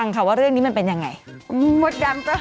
กันต่อ